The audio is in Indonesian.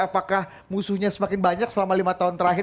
apakah musuhnya semakin banyak selama lima tahun terakhir